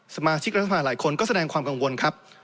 สมาชิกรัฐภาหลายคนก็แสดงความกังวลครับ